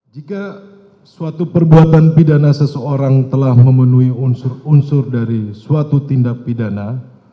jika suatu perbuatan pidana seseorang telah memenuhi unsur unsur dari suatu tindak pidana